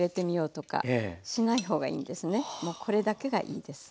これだけがいいです。